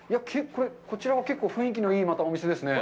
こちらは結構、雰囲気のいい、またお店ですね。